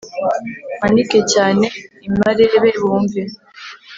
mpanike cyane i marebe bumve